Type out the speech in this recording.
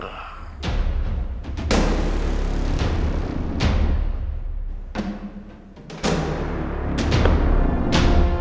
aku akan tahan mereka sebanding ibu